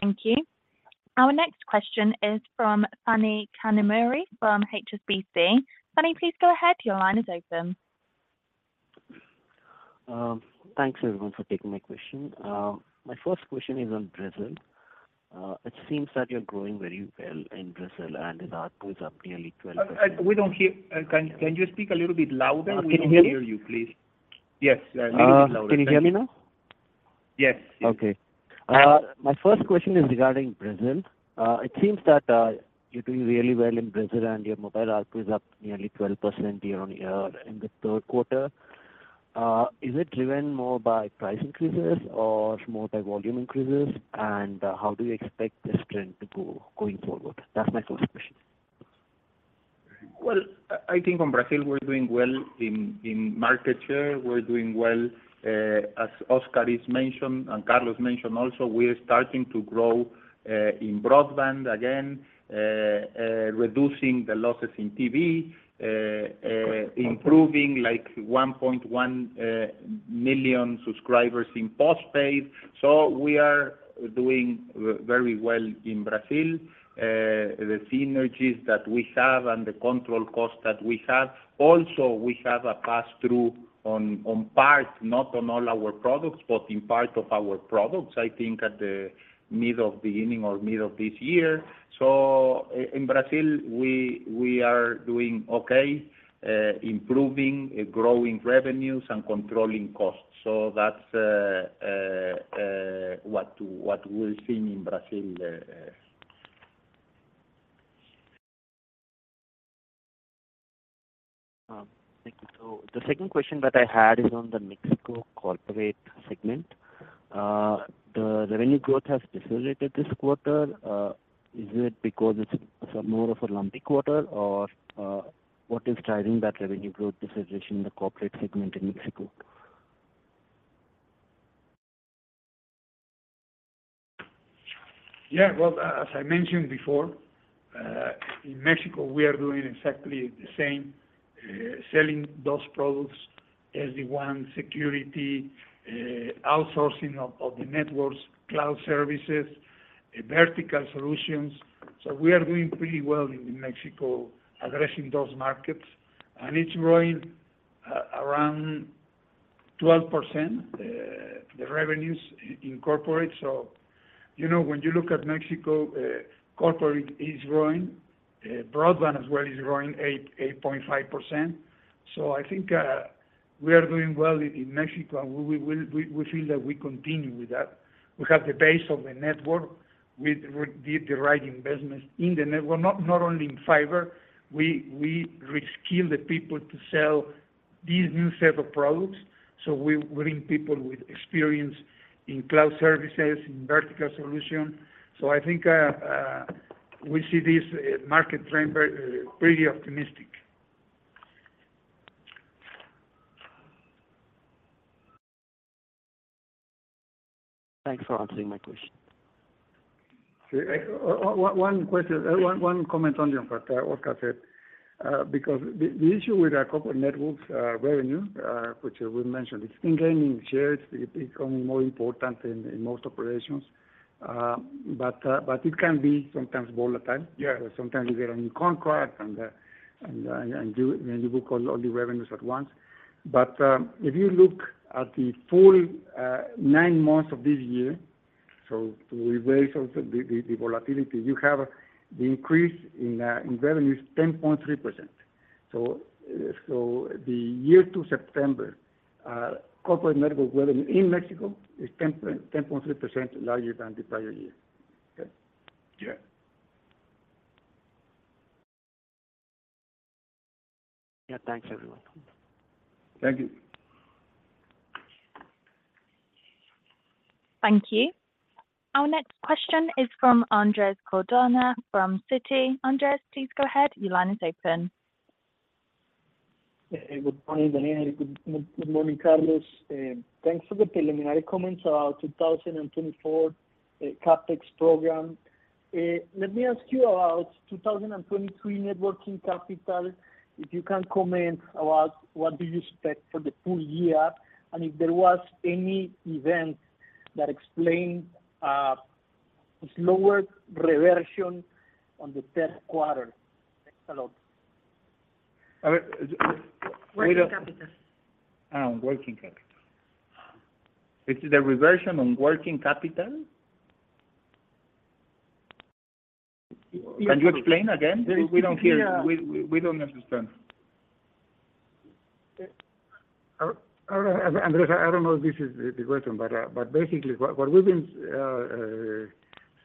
Thank you. Our next question is from Phani Kanumuri, from HSBC. Phani, please go ahead. Your line is open. Thanks everyone for taking my question. My first question is on Brazil. It seems that you're growing very well in Brazil, and ARPU is up nearly 12%. We don't hear. Can you speak a little bit louder? Can you hear me? We don't hear you, please. Yes, a little bit louder. Can you hear me now? Yes. Okay. My first question is regarding Brazil. It seems that you're doing really well in Brazil and your mobile ARPU is up nearly 12% year-on-year in the third quarter. Is it driven more by price increases or more by volume increases? And how do you expect this trend to go going forward? That's my first question. Well, I think on Brazil, we're doing well in market share. We're doing well, as Oscar has mentioned, and Carlos mentioned also, we are starting to grow in broadband again, reducing the losses in TV, improving like 1.1 million subscribers in postpaid. So we are doing very well in Brazil. The synergies that we have and the control cost that we have, also, we have a pass-through on part, not on all our products, but in part of our products, I think at the middle of beginning or middle of this year. So in Brazil, we are doing okay, improving, growing revenues and controlling costs. So that's what we're seeing in Brazil. Thank you. So the second question that I had is on the Mexico Corporate segment. The revenue growth has decelerated this quarter. Is it because it's a more of a lumpy quarter, or, what is driving that revenue growth deceleration in the Corporate segment in Mexico? Yeah, well, as I mentioned before, in Mexico, we are doing exactly the same, selling those products as the one security, outsourcing of the networks, cloud services, vertical solutions. So we are doing pretty well in Mexico, addressing those markets. And it's growing around 12%, the revenues in corporate. So you know, when you look at Mexico, corporate is growing, broadband as well is growing 8.5%. So I think, we are doing well in Mexico, and we, we will, we, we feel that we continue with that. We have the base of the network. We did the right investments in the network, not only in fiber, we, we reskill the people to sell these new set of products. So we, we bring people with experience in cloud services, in vertical solution. I think we see this market trend very pretty optimistic. Thanks for answering my question. Okay, one question, one comment on what Oscar said. Because the issue with our corporate networks revenue, which we mentioned, it's been gaining shares. It's becoming more important in most operations, but it can be sometimes volatile. Yes. Sometimes you get a new contract and you book all the revenues at once. But if you look at the full nine months of this year, so we raise also the volatility, you have the increase in revenues 10.3%. So the year to September corporate network revenue in Mexico is 10.3% larger than the prior year. Okay? Yeah. Yeah, thanks, everyone. Thank you. Thank you. Our next question is from Andrés Cardona, from Citi. Andrés, please go ahead. Your line is open. Good morning, Daniel. Good morning, Carlos. Thanks for the preliminary comments about 2024 CapEx program. Let me ask you about 2023 net working capital, if you can comment about what do you expect for the full year, and if there was any event that explained, It's lower reversion on the third quarter. Thanks a lot. I mean, Working capital. Ah, working capital. It is the reversion on working capital? Yes. Can you explain again? We don't hear. Yeah. We don't understand. Andrés, I don't know if this is the question, but basically, what we've been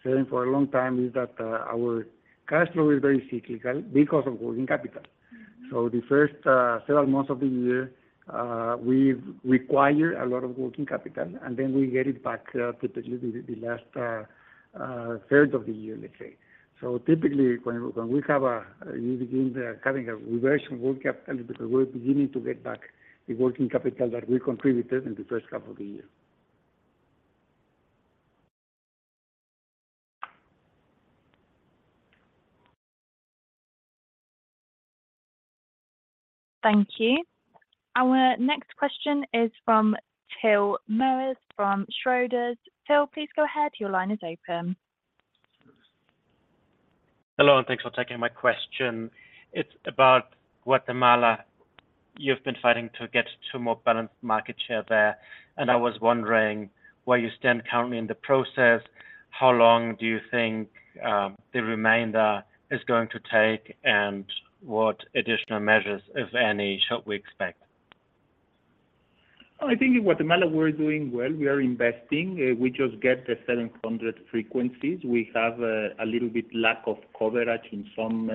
saying for a long time is that our cash flow is very cyclical because of working capital. So the first several months of the year, we require a lot of working capital, and then we get it back, typically the last third of the year, let's say. So typically, when we have a, you begin having a reversion working capital, because we're beginning to get back the working capital that we contributed in the first half of the year. Thank you. Our next question is from Till Moewes, from Schroders. Till, please go ahead. Your line is open. Hello, and thanks for taking my question. It's about Guatemala. You've been fighting to get to a more balanced market share there, and I was wondering where you stand currently in the process? How long do you think, the remainder is going to take, and what additional measures, if any, shall we expect? I think in Guatemala, we're doing well. We are investing. We just get the 700 frequencies. We have a little bit lack of coverage in some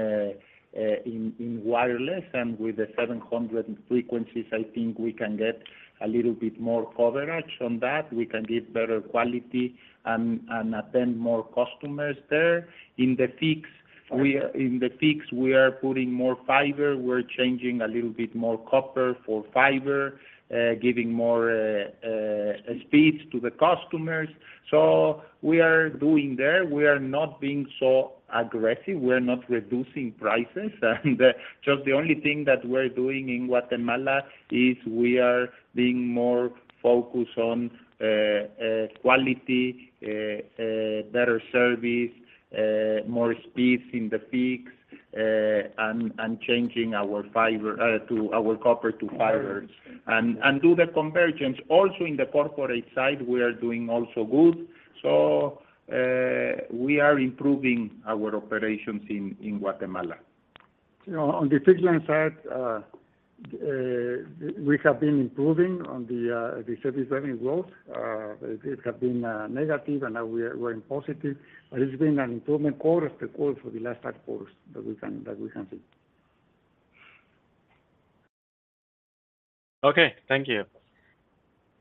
in wireless, and with the 700 frequencies, I think we can get a little bit more coverage on that. We can give better quality and attend more customers there. In the fixed, we are putting more fiber. We're changing a little bit more copper for fiber, giving more speeds to the customers. So we are doing there. We are not being so aggressive. We're not reducing prices. And just the only thing that we're doing in Guatemala is we are being more focused on quality, better service, more speeds in the fixed, and changing our copper to fiber. And do the convergence also in the corporate side, we are doing also good, so we are improving our operations in Guatemala. You know, on the fixed line side, we have been improving on the service revenue growth. It had been negative, and now we are, we're in positive, but it's been an improvement quarter to quarter for the last four quarters that we can see. Okay. Thank you.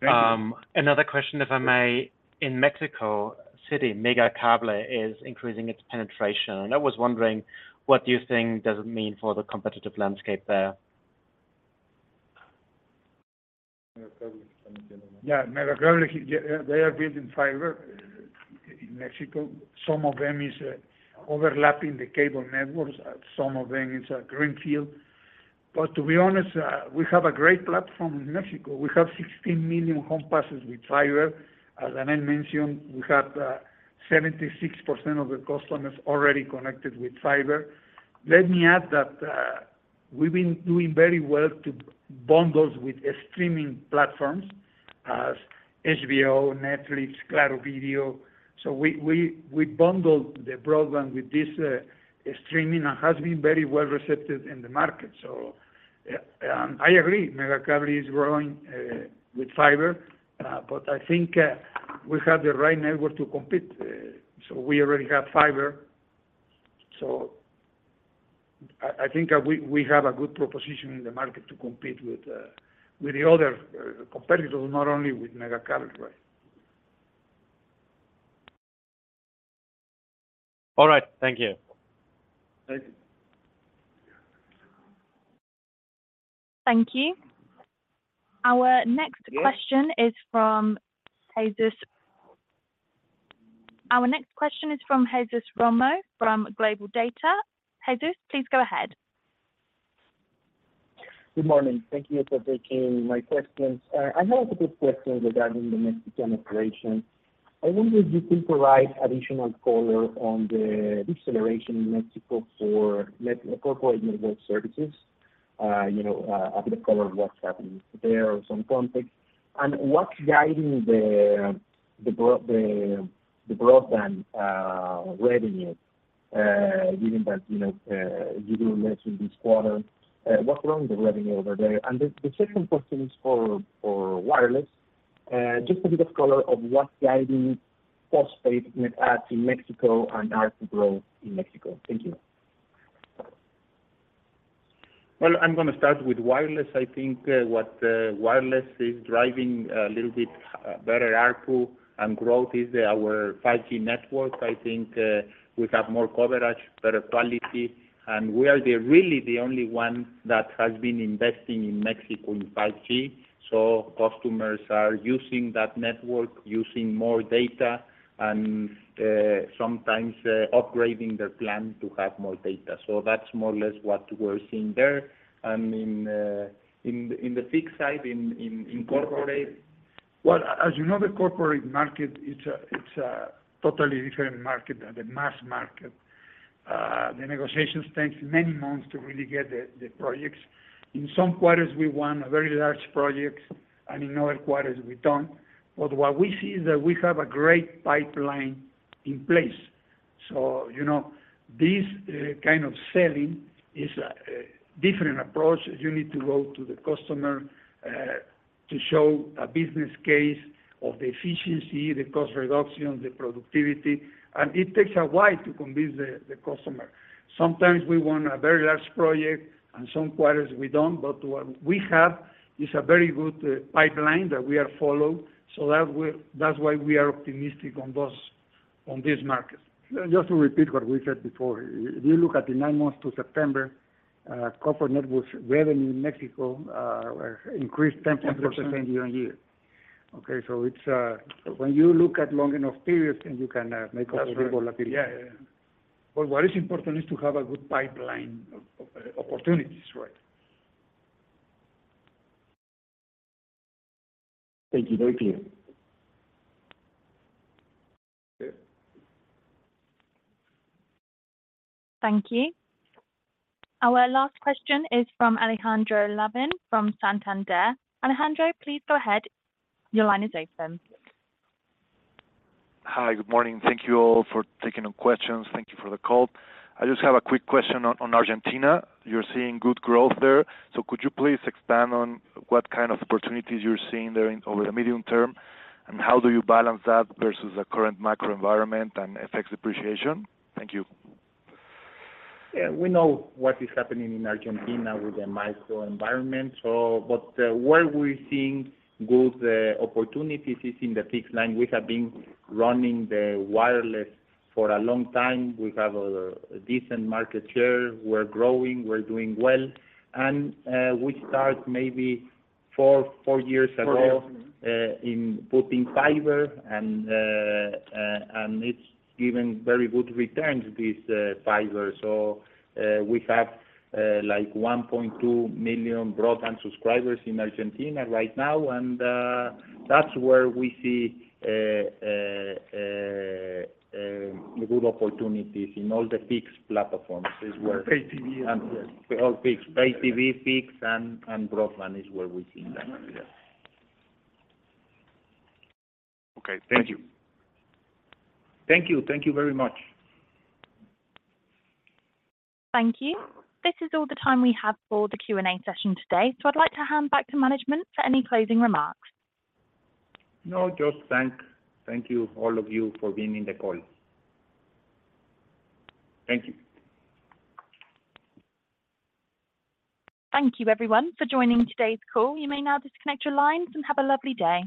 Thank you. Another question, if I may. In Mexico City, Megacable is increasing its penetration, and I was wondering, what do you think does it mean for the competitive landscape there? Megacable? Yeah, Megacable, they are building fiber in Mexico. Some of them is overlapping the cable networks. Some of them is a greenfield. But to be honest, we have a great platform in Mexico. We have 16 million home passes with fiber. As Daniel mentioned, we have 76% of the customers already connected with fiber. Let me add that, we've been doing very well to bundle with the streaming platforms as HBO, Netflix, Claro Video. So we, we, we bundled the broadband with this streaming, and has been very well received in the market. So, I agree, Megacable is growing with fiber, but I think we have the right network to compete. So we already have fiber. I think we have a good proposition in the market to compete with the other competitors, not only with Megacable. All right. Thank you. Thank you. Thank you. Our next- Yes. Question is from Jesús. Our next question is from Jesús Romo, from GlobalData. Jesús, please go ahead. Good morning. Thank you for taking my questions. I have a few questions regarding the Mexican operation. I wonder if you could provide additional color on the deceleration in Mexico for me, corporate network services, you know, a bit of color what's happening there or some context. And what's guiding the broadband revenue, given that, you know, you do mention this quarter, what's wrong with the revenue over there? And the second question is for wireless. Just a bit of color of what's guiding postpaid in Mexico and ARPU growth in Mexico. Thank you. Well, I'm gonna start with wireless. I think what wireless is driving a little bit better ARPU and growth is our 5G network. I think we have more coverage, better quality, and we are really the only one that has been investing in Mexico in 5G. So customers are using that network, using more data, and sometimes upgrading their plan to have more data. So that's more or less what we're seeing there. And in the fixed side, in corporate. Well, as you know, the corporate market, it's a totally different market than the mass market. The negotiations takes many months to really get the projects. In some quarters, we won very large projects, and in other quarters, we don't. But what we see is that we have a great pipeline in place. So, you know, this kind of selling is a, a different approach. You need to go to the customer to show a business case of the efficiency, the cost reduction, the productivity, and it takes a while to convince the, the customer. Sometimes we want a very large project, and some quarters we don't. But what we have is a very good pipeline that we are followed, so that we're—that's why we are optimistic on those, on this market. Just to repeat what we said before. If you look at the nine months to September, corporate networks revenue in Mexico increased 10% year-on-year. Okay, so it's when you look at long enough periods, then you can make a reasonable opinion. Yeah. But what is important is to have a good pipeline of, of opportunities, right? Thank you. Very clear. Yeah. Thank you. Our last question is from Alejandro Lavín, from Santander. Alejandro, please go ahead. Your line is open. Hi. Good morning. Thank you all for taking the questions. Thank you for the call. I just have a quick question on Argentina. You're seeing good growth there, so could you please expand on what kind of opportunities you're seeing there in over the medium term, and how do you balance that versus the current macro environment and effects depreciation? Thank you. Yeah, we know what is happening in Argentina with the macro environment. But where we're seeing good opportunities is in the fixed line. We have been running the wireless for a long time. We have a decent market share. We're growing, we're doing well, and we start maybe 4 years ago- Four years. - in putting fiber and, and it's given very good returns, this fiber. So, we have, like 1.2 million broadband subscribers in Argentina right now, and, that's where we see good opportunities in all the fixed platforms is where- Pay-TV and, yes. All fixed, Pay-TV, fixed and broadband is where we see that. Yes. Okay. Thank you. Thank you. Thank you very much. Thank you. This is all the time we have for the Q&A session today, so I'd like to hand back to management for any closing remarks. No, just thank. Thank you, all of you, for being in the call. Thank you. Thank you everyone for joining today's call. You may now disconnect your lines, and have a lovely day.